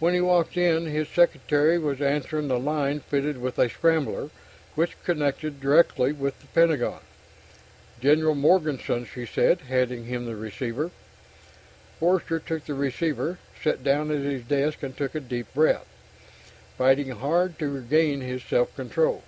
When he walked in, his secretary was answering the line fitted with a scrambler, which connected directly with the Pentagon. "General Morganson," she said, handing him the receiver. Forster took the receiver, sat down at his desk and took a deep breath, fighting hard to regain his self control.